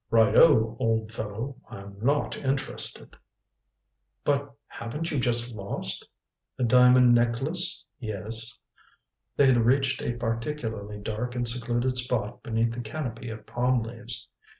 "Right o, old fellow. I'm not interested." "But haven't you just lost " "A diamond necklace? Yes." They had reached a particularly dark and secluded spot beneath the canopy of palm leaves.